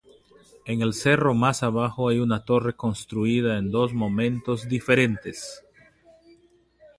En el cerro más abajo hay una torre construida en dos momentos diferentes.